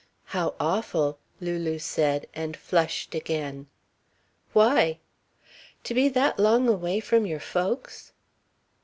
"How awful," Lulu said, and flushed again. "Why?" "To be that long away from your folks."